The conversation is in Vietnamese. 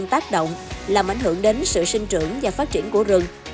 tác động làm ảnh hưởng đến sự sinh trưởng và phát triển của rừng